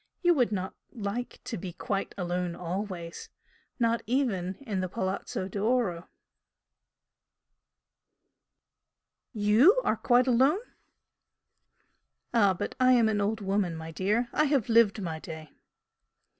You would not like to be quite alone always not even in the Palazzo d'Oro." "YOU are quite alone?" "Ah, but I am an old woman, my dear! I have lived my day!"